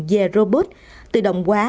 về robot tự động hóa